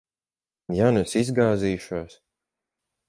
Ja nu es izgāzīšos?